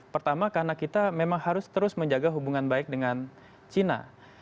pertama karena kita memang harus terus menjaga hubungan baik dengan cina